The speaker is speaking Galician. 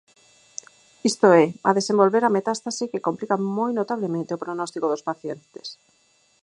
Isto é, a desenvolver a metástase que complica moi notablemente o prognóstico dos pacientes.